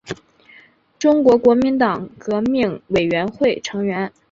中国国民党革命委员会成员。